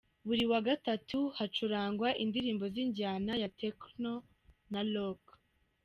Buri wa gatatu: Hacurangwa indirimbo z’injyana ya Techno na Rock.